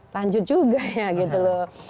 lanjut juga ya gitu loh